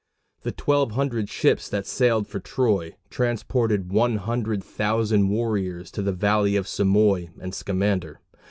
The twelve hundred ships that sailed for Troy transported one hundred thousand warriors to the valley of Simois and Scamander.